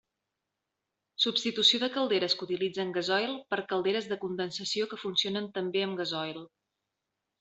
Substitució de calderes que utilitzen gasoil per calderes de condensació que funcionen també amb gasoil.